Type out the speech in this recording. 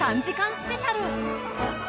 ３時間スペシャル。